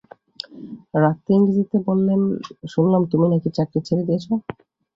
-রাখতে ইংরেজিতে বললেন, শুনলাম তুমি নাকি চাকরি ছেড়ে দিয়েছ?